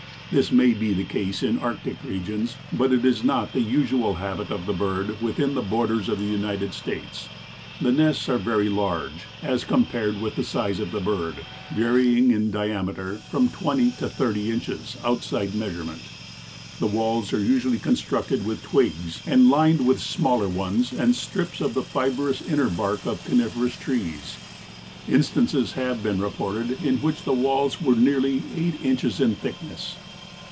This may be the case in Arctic regions, but it is not the usual habit of the bird within the borders of the United States. The nests are very large, as compared with the size of the bird, varying in diameter from twenty to thirty inches, outside measurement. The walls are usually constructed with twigs and lined with smaller ones and strips of the fibrous inner bark of coniferous trees. Instances have been reported in which the walls were nearly eight inches in thickness.